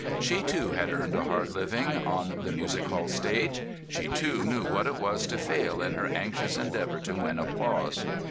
She too had earned a hard living on the music hall stage. She too knew what it was to fail in her anxious endeavour to win applause.